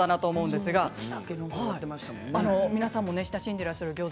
皆さんも親しんでらっしゃるギョーザ